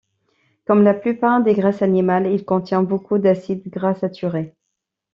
Comme la plupart des graisses animales, il contient beaucoup d'acides gras saturés.